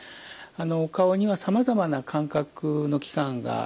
お顔にはさまざまな感覚の器官があります。